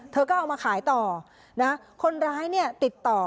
เธอก็เอามาขายต่อนะคนร้ายเนี่ยติดต่อ